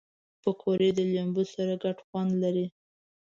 پکورې د لمبو سره ګډ خوند لري